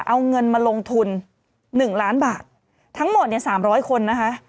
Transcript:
เอาเงินมาลงทุนหนึ่งล้านบาททั้งหมดเนี้ยสามร้อยคนนะคะ